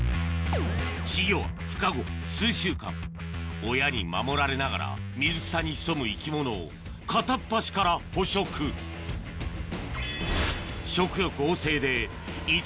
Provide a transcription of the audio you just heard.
稚魚は孵化後数週間親に守られながら水草に潜む生き物を片っ端から捕食食欲旺盛で糸